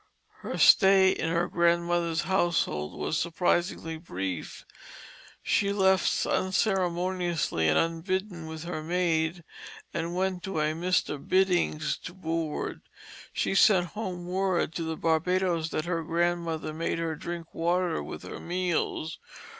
Her stay in her grandmother's household was surprisingly brief. She left unceremoniously and unbidden with her maid, and went to a Mr. Binning's to board; she sent home word to the Barbadoes that her grandmother made her drink water with her meals.